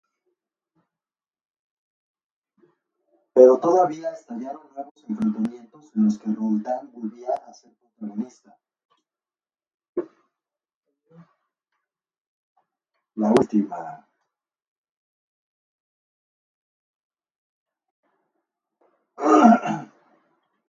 Pero todavía estallaron nuevos enfrentamientos en los que Roldán volvía a ser protagonista.